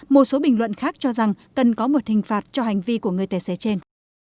một số bình luận khác cho rằng cần có một hình phạt cho hành vi của người tài xế trên